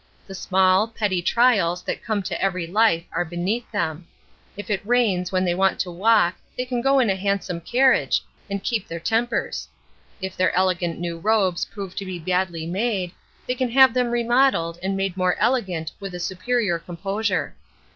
The small, petty trials that come to every life are beneath them. If it rains when they want to walk they can go in a handsome carriage, and keep their tempers. If their elegant new robes prove to be badly made they can have them remodeled and made more elegant with a superior composure.